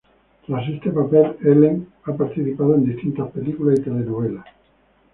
Tras este papel, Ellen ha participado en distintas películas y telenovelas.